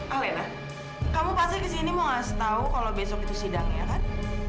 alena kamu pasti kesini mau ngasih tau kalau besok itu sidangnya kan